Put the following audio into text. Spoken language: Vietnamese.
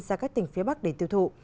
ra các tỉnh phía bắc để tiêu thụ